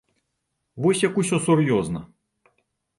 Вось як усё сур'ёзна!